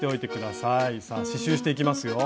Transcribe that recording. さあ刺しゅうしていきますよ。